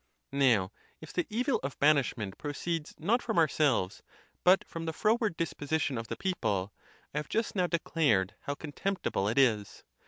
Now, if the evil of ban ishment proceeds not from ourselves, but from the froward disposition of the people, I have just now declared how contemptible it is.